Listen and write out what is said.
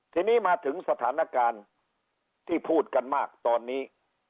ทีนี้มาถึงสถานการณ์ที่พูดกันมากตอนนี้